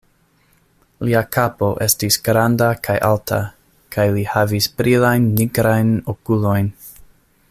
Lia kapo estis granda kaj alta, kaj li havis brilajn nigrajn okulojn.